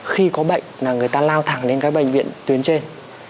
khi có bệnh là người ta lao thẳng lên các bệnh viện tuyến trên